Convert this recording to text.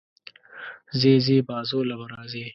ځې ځې، بازو له به راځې